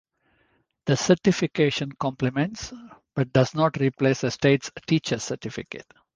The certification complements, but does not replace a state's teacher certificate.